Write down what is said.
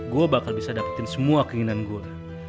gue bakal bisa dapetin semua keinginan gue